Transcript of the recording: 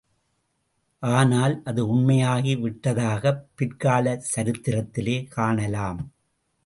ஆனால், அது உண்மையாகி விட்டதாகப் பிற்காலச்சரித்திரத்திலே காணலாம்.